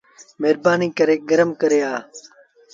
مهربآنيٚ ڪري گرم ڪري آ۔